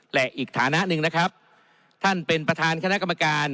และอีกฐานะหนึ่งนะครับท่านเป็นประธานคณะกรรมการ